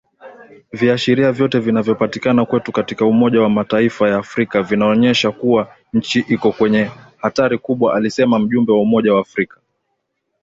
Viashiria vyote vinavyopatikana kwetu katika umoja wa Mataifa ya Afrika vinaonyesha kuwa nchi iko kwenye hatari kubwa alisema mjumbe wa Umoja wa Afrika